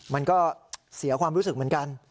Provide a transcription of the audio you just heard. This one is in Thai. มันก็เสียความรู้สึกเหมือนกัน